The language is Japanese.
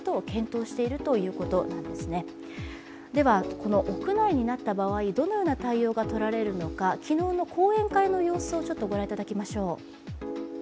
この屋内になった場合どのような対応がとられるのか昨日の講演会の様子をご覧いただきましょう。